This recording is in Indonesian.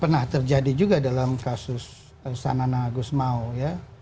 pernah terjadi juga dalam kasus sanana gusmao ya